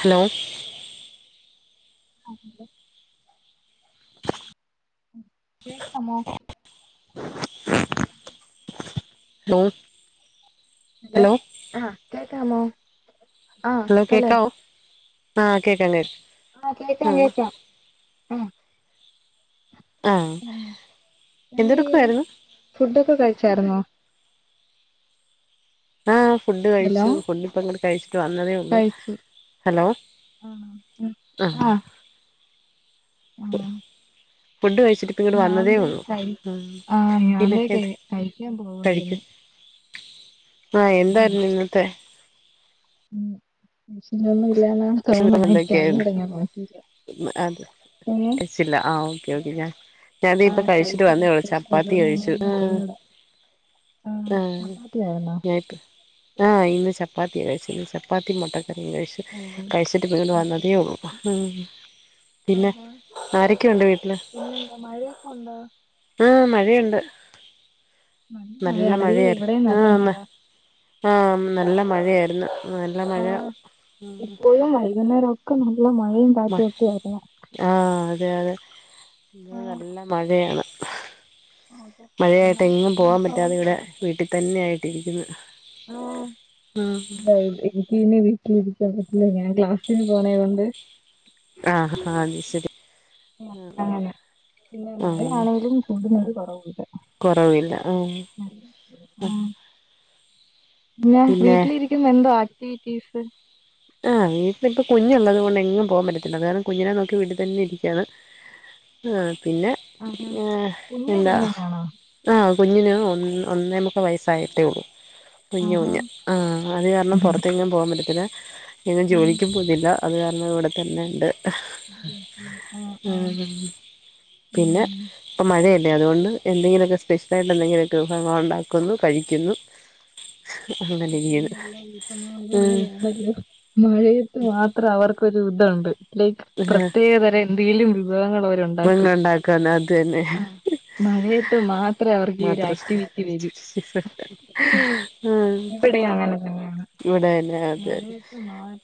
Hello. കേക്കാമോ? [inaudible] Hello hello ആഹ് കേക്കാമോ? ഹലോ കേക്കാവോ ആഹ് കേക്കാം കേക്കാ.. ആഹ് കേക്കാം കേക്കാം ആഹ.. ആഹ പറഞ്ഞോ എന്തെയ്യാ എന്തെടുക്കയ്രുന്നു.. ഫുഡൊക്കെ കഴിച്ചായിരുന്നോ.. ആഹ് ഫുഡ് ഹലോ കഴിച്ചു ഫുഡ് ഇപ്പം ഇങ്ങട് കഴിച്ചിട്ട് വന്നതെ.. കഴിച്ചു ഹലോ ആണോ? ഉം ആഹ.. ആഹ് ആഹ് ഫുഡ് കഴിച്ചിട്ട്.. പ്പ ങ്ങട് ഞാൻ വന്നതേ ദേ ഉള്ളൂ കഴി ആഹ് ഞാൻ ദേ പിന്നെത് കഴി കഴിക്കാൻ കഴിക്ക്.. പോവായിരുന്നു ആഹ എന്തായിരുന്നു ഇന്നത്തെ.. ഉം [unintelligible] ഒന്നും ഇല്ലന്നക്കന്ന ഭക്ഷണം എനിക്ക എന്തൊക്കെയായിരുന്നു അറിയുല ഞാൻ നോക്കില്ല.. കയ്ച്ചില്ല ആഹ ഓക്കെ ഓക്കെ ഞാൻ.. ആഹ് ഞാൻപ്പതാ കഴിച്ചിട്ട് കഴിച്ചത് വന്നേളൂ സ്പെഷ്യൽ ചപ്പാത്തി കഴിച്ചു എന്തോന്നാന്നൊന്നും ഉം.. അറിഞ്ഞൂടാ ആഹ് ആഹ ചപ്പാത്തിയായിരുന്നോ ഞായിപ്പ്.. ആഹ ഇന്ന് ചപ്പാത്തി കഴിച്ചു ഇന്ന് ചപ്പാത്തി മുട്ടക്കറിയും കഴിച്ചു.. ഓഹ് കഴിച്ചിട്ട് പ്പെ ഇങ്ങട് വന്നതേ മുട്ടക്കറി ഉള്ളൂ പിന്നെ ആരൊക്കെയുണ്ട് വീട്ടിൽ.. ഇന്നെന്താ മഴയാ.. ഉണ്ടോ.. ആഹ മഴയുണ്ട് നല്ല മഴയാണല്ലേ മഴയായിരുന്നു ഇവിടെയും നല്ല ആഹ മഴ എന്നാ.. ആഹ നല്ല മഴയായിരുന്നു.. നല്ല മഴ ആഹ ഇപ്പോഴും വൈകുന്നേരം ഒക്കെ നല്ല മഴയും കാറ്റും ഓകെയായിരുന്നു.. ആഹ അതെ അതെ ആ, ഇന്ന് നല്ല മഴയാണ്.. അതെ. എന്നാ മഴയായിട്ട് എങ്ങും ഇതിന് പോകൻ പോവാൻ പറ്റാതെ ഇവിടെ വീട്ടിൽ തന്നെയ ആയിട്ട് ഇരക്ക്ന്ന്.. ആഹ.. [inaudible] [unintelligible] വിട്ടിലിരിക്കാൻ പറ്റൂല ഞൻ ക്ലാസ്സിന് പോണേയാതൊണ്ട്.. ആഹ ആഹ അത് ശരി.. അങ്ങനെ പിന്നെ ആഹ് ആണേലും ചൂട്ന് ഒരു കുറവുംല്ല.. കൊറവില്ല ആഹ.. ഉം പിന്നെ വീട്ടിലിരിക്കുമ്പം എന്തോ ആക്ടിവിറ്റീസ്.. ആഹ വീട്ടിലിപ്പ കുഞ്ഞുള്ളത് കൊണ്ട് എങ്ങും പോകൻ പറ്റത്തില്ല കാരണം കുഞ്ഞിനെ നോക്കി വീട്ടിൽ തന്നെ ഇരിക്കാണ്.. ആഹ പിന്നെ ആഹാ കുഞ്ഞു എന്താ.. കുഞ്ഞനാണോ ആഹ കുഞ്ഞിന് ഒ ഒന്നേമുക്കാൽ വയസ്സായിട്ടേ ഒള്ളൂ.. കുഞ്ഞ ആഹാ കുഞ് ആഹ അത് കാരണം പുറത്ത്ങ്ങും പോകാൻ പറ്റത്തില്ല പിന്നെ ഉം ജോലിക്കും.. പോകുന്നില്ല അത് കാരണം ഇവിടെ തന്നെ ഉണ്ട്.. ഉം ഉം ഉം ഉം.. പിന്നെ ഇപ്പം മഴയല്ലേ അത്കൊണ്ട് എന്തെങ്കിലൊക്കെ സ്പെഷ്യലായിട്ട് എന്തെങ്കിലൊക്കെ ഒണ്ടാക്കുന്നു കഴ്‌ക്കുന്നു. [unintelligible] ഉം അങ്ങെനെയാണല്ലോ മഴയെത് മാത്രം അവർക്കൊരു ഇതുണ്ട് ലൈക് പ്രത്യേകതെരം എന്തെങ്കിലും വിഭവങ്ങൾ അവരുണ് [unintelligible] ഒണ്ടാക്കാന് അത്ന്നെ. മഴയെത്ത് മാത്രേ അവർക്ക് ഈ ഒര് ആക്റ്റിവിറ്റി വെരു. ആഹ് തന്നെയാണ് ഇവിടെന്നെ അതെ.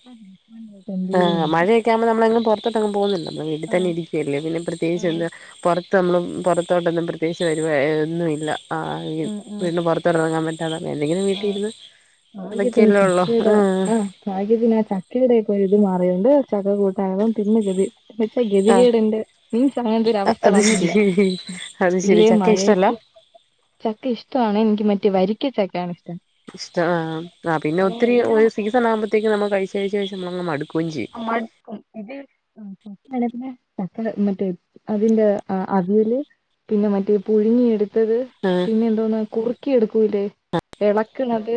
[unintelligible] ട്ടെ എന്തേലും ഒര് [unintelligible] ക്ക്യാമ്പോ ന്നമ്മളെങ്ങും പൊർത്തോട്ടെങ്ങും പോകുന്നില്ലല്ലോ വീട്ട് തന്നെ ആഹ് ഇരിക്കുവല്ലെ പിന്നെ പ്രേത്യേകി ആഹ് ഒന്ന് പൊർ ത്ത് ന്നമ്മളും പൊർത്തോട്ടൊന്നും പ്രത്യേകിച്ച് വെരുവാ ഒന്നുല്ല ആഹ ആഹ് ആഹ് വീടിന്റെ പൊർത്ത് ത്തർങ്ങാൻ പറ്റാത എന്തെങ്കിലും വീട്ടീ ആഹ് ഇര്ന്ന് ഭാഗ്യത്തിന് അതൊക്കെയല്ലേ ഒള്ളോ ചക്കയുടെ ആഹ്. ഭാഗ്യത്തിന് ആ ചക്കെടെയൊക്കെ ഒര്ഇത് മാറിയോണ്ട് ചക്കകൂട്ടാനെല്ലാം തിന്ന് ഗെതി എന്ന് വെച്ചാ ആഹ് ഗെതികേടിന്റെ മീൻസ് അങ്ങൻത്തൊരു അവസ്ഥ അത് വന്നില്ല ശരി അത് ശരി ഇല്ലേ ചക്ക ഇഷ്ടല്ല മഴേത്ത് ചക്ക ഇഷ്ട്ടാണ് എനിക്ക് മറ്റേ വരിക്ക ചക്കെയാണ് ഇഷ് ഇഷ്ട്ടാ ആ പിന്നൊത്തിരി ഒര് എല്ലാം സീസണാവുമ്പത്തേക്ക് ന്നമ്മൾ കഴ്‌ച്ച്, കഴ്‌ച്ച് കഴ്ച്ച് നമ്മളങ് മട്ക്കുവേം ചെയ്യും. ആഹ് മട്ക്കും ഇത് ആ ആ ആനെ പിന്നെ ചക്ക മറ്റേ അതിന്റെ ആ അവിയല് പിന്നെ മറ്റേ പുഴുങ്ങിയെടുത്തത് ആഹ് പിന്നെ എന്തോന്ന് കുർക്കി എടുക്കൂലെ എളക്ക്ണത്.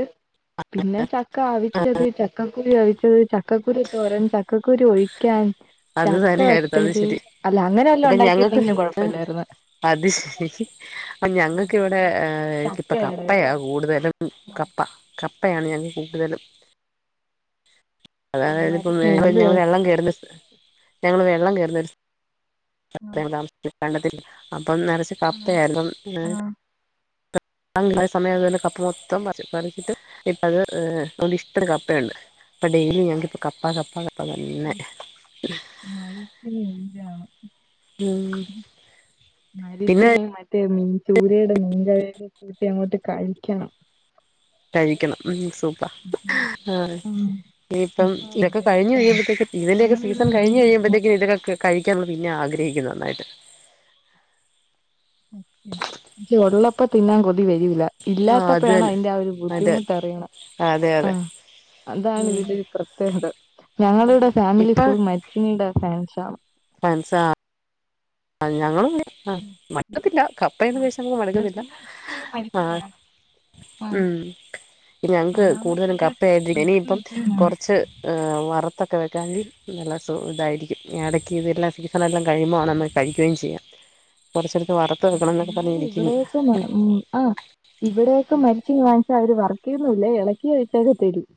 പിന്നെ ചക്ക അവിച്ചത് ചക്കക്കുരു അവിച്ചത് ചക്കക്കുരു തോരൻ, ചക്കക്കുരുഒഴിക്കാൻ അത് ചക്ക തന്നെയായിരുന്നു അത് വറ്റല് ശരി അല്ല അങ്ങനെവല്ലോം ഇപ്പൊ ഞങ്ങൾക്ക് ഒണ്ടാക്കിരുന്നെങ്കിലും ആ കൊഴപ്പല്ലായിര്ന്നു. അത് ശെരി പ്പ ഞങ്ങൾക്കിവടെ ഏ ഇപ്പ ചക്കയുടെ കപ്പയാ കൂട്തലും. ഉം കപ്പ കപ്പയാണ് ഞങ്ങൾ കൂട്തലും. അതായത്പ്പ ഞങ്ങൾ മരത്തിനല്ലേ വെള്ളം കേറുന്നൊസ് ഞങ്ങള് വെള്ളം കേറുന്നൊരുസ് [unintelligible] വെള്ളത്തില് അപ്പം നെർച്ച് കപ്പയായിര്ന്നു ഹെ ആ [unintelligible] സമയം അതുപോലെ കപ്പ മൊത്തം പറിച് പറിചിട്ട് ഇപ്പത് ഏഹ് അതോണ്ട് ഇഷ്ട്ടത്തിന് കപ്പയുണ്ട്. ഇപ്പൊ ഡെയ്ലി ഞങ്ങക്ക്പ്പ കപ്പ, കപ്പ തന്നെ [unintelligible] ഉം പിന്നെ മരിച്ചിലി മ ത്തി മീൻ ചൂരേടെ മീൻ കറിയൊക്കെ കൂട്ടി അങ്ങോട്ട് കഴിക്കണം. കഴിക്കണം ഉം സൂപ്പ് ഉം ഇപ്പം ഇതൊക്കെ കഴ്ഞ് കഴിയുമ്പത്തേക്കും ഇതിന്റെയൊക്കെ നമ്മളിവിടെ സീസൺ കഴിഞ് ഫാമിലി കഴുമ്പത്തേക്കും ഇതൊക്കെ ക് കഴിക്കാൻ മ്മള് പിന്നെ ആഗ്രഹിക്കും നന്നായ്ട്ട്. സത്യം ജ്ജ് ഒള്ളപ്പം തിന്നാൻ കൊതിവെരൂല. ആ അത് ഇല്ലാത്തപ്പോഴാണ് തന്നെ അതിന്റെ ആ ഒരു അതെ ബുദ്ധിമുട്ട് അറിയ്ണെ അതെ അതെ ആഹ്. അതാണ് ഉം ഇതിന്റൊരു പ്രത്യേകത ഞങ്ങളുടെ ഫാമിലി ഫുള്ള് മര്ച്ചിനിയുടെ ഫാൻസാണ്. ഫാൻസാ അ ഞങ്ങളും അതെ. ആഹ് മട്ക്കത്തില്ല കപ്പയെന്ന് ആഹ് വെച്ച നമുക്ക് ഇവിടെ മട്ക്കത്തില്ല പിന്നെ എപ്പഴും മരിച്ചിനി ആഹ്. വേണം ആഹ് ഉം ഇനി ഞങ്ങൾക്ക്കൂടുതലും അമ്മാമ്മക്കൊക്കെ കപ്പയായ്ട്ട് മരിച്ചിനി എനിയിപ്പം എപ്പഴും കൊർ വേണം ച്ച് ഏ വർത്തൊക്കെ വെക്കാങ്കി നല്ലെ സു ഇതായിരിക്കും എടെയ്ക്ക് ഇതെല്ലാ സീ സണെല്ലാം കഴിയുമ്പോ വാണന്ന് കഴുകയും ചെയ്യാം കൊർച്ചെടുത്ത് വറ ആഹ് എന്നാലും ഇവിടെക്ക മാ ഉം ആ ഇവിടെയൊക്കെ മര്ച്ചീനി വാങ്ങിച്ചാ അവര് വറക്കിയൊന്നുല്ല ഇളെക്കി അവിച്ചക്കെ തെരും.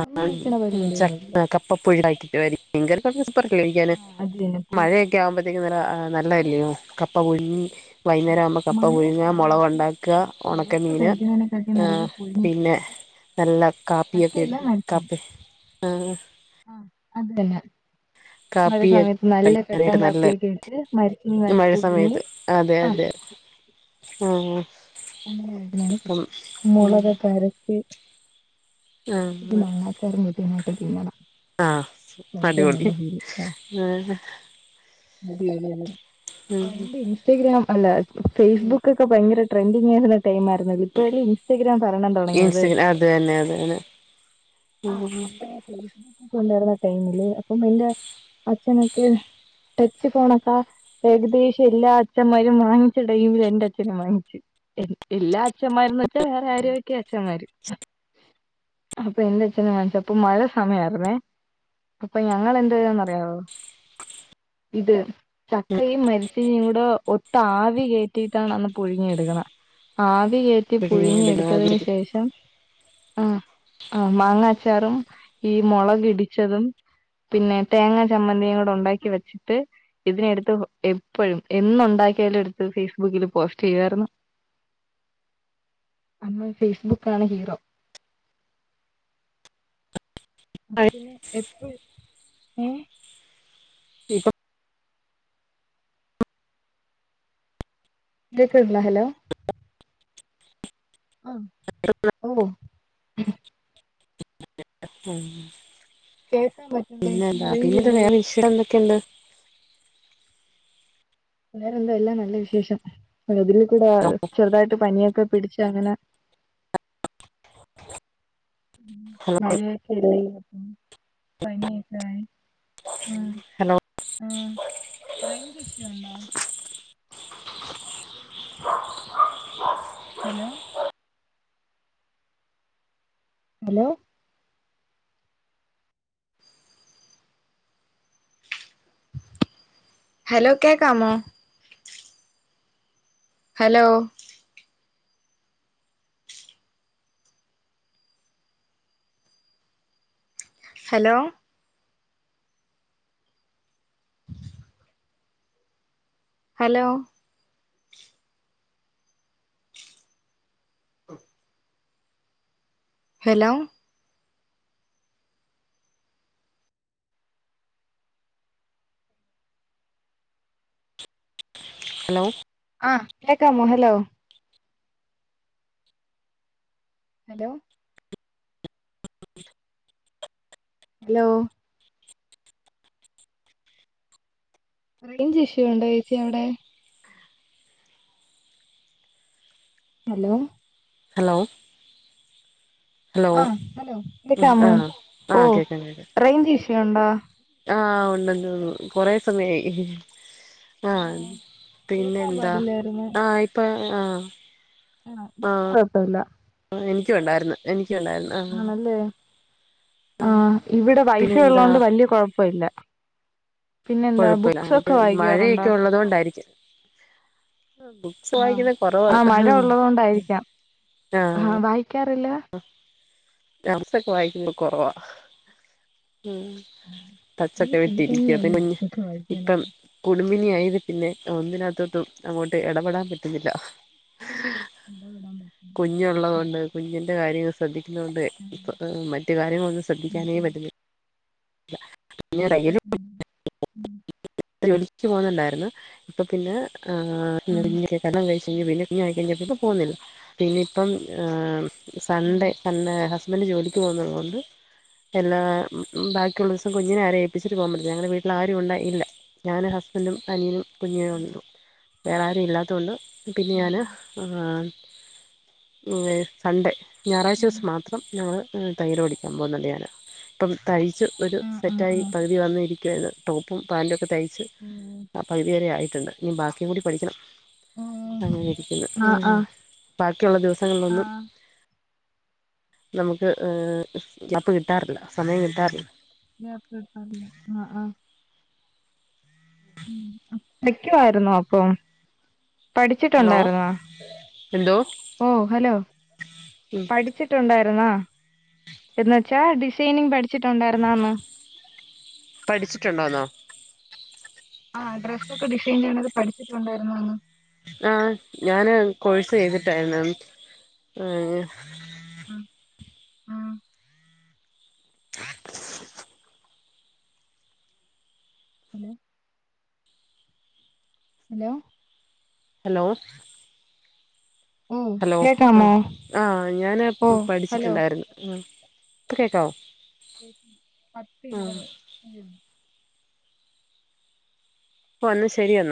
അ ആ വെക്കണ ഉം പരിപാടിയൊന്നുല്ല ചക്ക കപ് [unintelligible] മീൻകറി കൊഴച്ച് സൂപ്പർ അല്ലെ കഴിക്കാണ് ആഹ് അത് തന്നെ മഴയെ ക്കെവുമ്പത്തേക്കും നല്ലാ ആ നല്ലെ അല്ലിയോ കപ്പ പുഴുങ്ങി. വൈന്നേരവമ്പ കപ്പ മഴ പുഴുങ്ങ സമയത്ത് മോളാകൊണ്ടാക്ക ചക്ക ഇളക്കി ഒണക്കമീന് കഴിക്കുന്നതിനെക്കാട്ടി നല്ലത് പുഴുങ്ങി പിന്നെ നല്ല ചക്കയില്ല കാപ്പിയൊക്കെട്ട് കാപ്പി ആഹ് ആഹ് അത് തന്നെ [inaudible] മഴ കാപ്പിയാട്ട് സമയത്ത് കഴി നല്ല കട്ടൻ കഴിക്കാനായിട്ട് നല്ല കാപ്പിയൊക്കെ ഇട്ട് മരച്ചീനി ന ഈ മഴ പുഴുങ്ങി സമയത്ത് അതെ ആ അതെ ആഹ് ആഹ് ഇപ്പം ഉം [unintelligible] ആ ഇച്ചിരി മാങ്ങാച്ചാറും കൂട്ടി അങ്ങോട്ട് തിന്നണം ആ ആഹ് സ്വർഗം അടിപൊളി കണ്ട ഫീല് [unintelligible] ഉം [unintelligible] ഇൻസ്റ്റാഗ്രാം അല്ല ഫേസ്ബുക് ക്കെ ഭയങ്കര ട്രെന്റിങ്ങ ഗെയിംമായിരുന്ന് ഇപ്പല്ലി ഇസ്റ്റഗ്രാം ഭരണം തൊടങ്ങിയത് അതന്നെ അതന്നെ കൊണ്ട് വരുന്ന ടൈമില് അപ്പം എന്റെ അച്ഛൻ എനിക്ക് ടച് ഫോണക്ക ഏകദേശം എല്ലാ അച്ഛമ്മാരും വാങ്ങിച്ച ടൈമില് എന്റച്ഛനും വാങ്ങിച്ചു എല്ലാ അച്ഛന്മാര്ന്ന് വെച്ചാ വേറെ ആരെയൊക്കെയോ അച്ഛന്മാര് അപ്പൊ എന്റെ അച്ഛൻ വാങ്ങിച്ചപ്പൊ മഴ സമയായിരുന്നേ അപ്പൊ ഞങ്ങലെന്ത് ചെയ്ത് ന്നറിയോ ഇത് ചക്കയും മരിചീനിയുങ്കുട ഒത്താവികേറ്റിട്ടാണ് അന്ന് പുഴുങ്ങിയെടുക്കുന്ന ആവി ആവി കേറ്റി പുഴുങ്ങിയടുത്തതിനു പിഴിഞ്ഞെടുക്കാതിരി ശേഷം ആ മാങ്ങാച്ചാറും ഈ മൊളകിടിച്ചതും പിന്നെ തേങ്ങാ ചമ്മന്തിയുങ്കുടെ ഉണ്ടാക്കി വെച്ചിട്ട് ഇതിനെടുത്ത് എപ്പഴും എന്നുണ്ടാക്കിയാലും എടുത്ത് ഫേസ്ബുക്കില് പോസ്റ്റയുവായിരുന്നു [inaudible] അന്ന് ഫേസ്ബുക്കാണ് ഹീറോ അപ്പൊ പിന്നെ എപ്പഴും ഏ [inaudible] കേക്ണ് ഉണ്ടോ ഹലോ ആ ഓഹ് [inaudible] കേക്കാൻ പറ്റ്ണ്ടേ പിന്നെന്താ പിന്നെ റേഞ്ചില്ലേ വേറെ വിഷയം എന്തൊക്കെണ്ട് വേറെന്താ എല്ലാം നല്ല വിശേഷം അതില്കൂടാ ചെറുതായിട്ട് പനിയൊക്കെ പിടിച്ച് അങ്ങനെ [unintelligible] ആ ഹലോ ആ റൈഞ്ജ്ഷ്യു ഉണ്ടോ [inaudible] ഹലോ ഹലോ ഹലോ കേക്കാമോ hello hello [inaudible] hello [inaudible] hello hello ആ കേക്കാമോ hello hello hello range issue ഉണ്ടോ ഏച്ചി അവിടെ ഹലോ ഹലോ ഹലോ ആഹ് ഹലോ ഉം കേക്കാമോ ആഹ് ഓ ആഹ് കേക്കാം കേക്കാം റേയ്ഞ്ച് ഇഷ്യ ഉണ്ടോ ആഹ് ഉണ്ടന്ന് തോന്നുന്നു കൊറെ സമയായി ആഹ് കേക്കാൻ പിന്നെന്താ പാടില്ലായിരുന്നു ആഹ് ഇപ്പൊ ആഹ് ആഹ് ആഹ് കുഴപ്പല്ല ആഹ് എനിക്കുഉണ്ടായിരുന്നു എനിക്കു ഉണ്ടായിരുന്നു ആഹ് ആണല്ലേ ആഹ് ഇവിടെ വൈഫയ് പിന്നെന്താ ഉള്ളതോണ്ട് വലിയ കൊഴപ്പല്ല പിന്നെന്താ കൊഴപ്പില്ല ബുക്സ് ഒക്കെ വായിക്കാറുണ്ടോ മഴയൊക്കെ ഉള്ളത് കൊണ്ടായിരിക്കും ഉം ആഹ് വായിക്കുന്നത് കൊറവാ മഴ ആഹ് ഉള്ളത് കൊണ്ടായിരിക്കാം ആഹ് വായിക്കാറില്ല ഉം ഞാൻ ബുക്ക്സക്കെ വായിക്കുന്നത് കുറവാ ഉം ഈ തച്ചൊക്കെ ഫ്രീ വിട്ടിരിക്കാ അത് മുന്നേ ടൈമിലല്ലേ കുഞ്ഞ് ബുക്കൊക്കെ ഇപ്പം വായിക്കാനുള്ളൂ കുടുംബിനി ആയത് പിന്നെ ഒന്നിനകത്തോട്ടും അങ്ങോട്ട് ഇടപെടാൻ പറ്റുന്നില്ല ഇടവിടാൻ കുഞ്ഞുള്ളതൊണ്ട് കുഞ്ഞിന്റെ കാര്യം ശ്രദ്ധിക്കുന്ന കൊണ്ട് മറ്റു കാര്യങ്ങളൊന്നും ശ്രദ്ധിക്കാനേ പറ്റില്ല [unintelligible] ജോലിക്ക് പോകുന്നുണ്ടായിരുന്നു ഇപ്പൊ പിന്നെ ആഹ് [unintelligible] പിന്നെ കുഞ്ഞായി കഴിഞ്ഞപ്പോ ഇപ്പോൾ പോകുന്നില്ല പിന്നെ ഇപ്പം സൺഡേ തന്നെ ഹസ്ബൻഡ് ജോലിക്ക് പോന്നത കൊണ്ട് എല്ലാ ബാക്കിയുള്ള ദിവസം കുഞ്ഞിനെ ആരേ ഏപ്പിച്ചിട്ട് പോകാൻ പറ്റില്ല ഞങ്ങളടെ വീട്ടിൽ ആരും ഉണ്ട് ഇല്ല ഞാൻ ഹസ്ബന്റും അനിയനും കുഞ്ഞഒള്ളു വേറെ ആരും ഇല്ലാത്തുകൊണ്ട് പിന്നെ ഞാന് സൺഡേ ഞായറാഴ്ച ദിവസം മാത്രം ഞമ്മൾ തൈര് ഓടിക്കാൻ പോകുന്നുണ്ട് ഞാന് ഇപ്പം തയ്ച്ച് ഒരു സെറ്റായി പകുതി വന്നിരിക്കുവാണ് ടോപ്പും പാൻറും ഒക്കെ തയ് ആഹ് പകുതി വരെ ആയിട്ടുണ്ട് ബാക്കിയും കൂടി പഠിക്കണം അങ്ങനെ ആ ഇരിക്കുന്നു ആ ബാക്കിയുള്ള ദിവസങ്ങളിലൊന്നും നമുക്ക് ഗ്യാപ്പ് കിട്ടാറില്ല സമയം കിട്ടാറില്ല ഞപ്പട്ടില്ല ആഹ് ആഹ് നിക്കുവായിരുന്നോ അപ്പം ഹലോ പഠിച്ചിട്ടുണ്ടായിരുന്നോ എന്തോ ഓ ഹലോ ഉം പഠിച്ചി പടിച്ചിട്ടുണ്ടായിരുന്നാ എന്ന് വെച്ചാ ഡിസൈനിങ് പഠിച്ചിട്ടുണ്ടായിരുന്നോന്ന്? പഠിച്ചിട്ടുണ്ടോന്നോ? ആഹ് ഡ്രസ്സ് ഒക്കെ ഡിസൈൻ ചെയ്യ്ണത് പഠിച്ചിട്ടുണ്ടായിരുന്നോന്ന്? ആഹ് ഞാന് കോഴ്സ് ചെയ്തിട്ടായിരുന്നു അഹ്. ആഹ് ആ അലോ. അലോ. ഹലോ. ഓ ഹലോ ഉം കേക്കാമോ ആഹ് ഞാൻ ഓ ഹലോ പഠിച്ചിട്ടുണ്ടായിരുന്നു ഉം കേട്ടോ ഉം പത്തി ഇരുവത് ഉം. അപ്പൊന്നാ ശെരി എന്നാ.